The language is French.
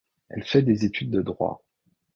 Elle fait des études de droit.